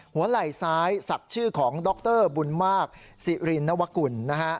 หัวไหล่ซ้ายศักดิ์ชื่อของดรบุญมากสิรินวกุลนะฮะ